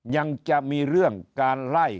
ยังมีเรื่องการไล่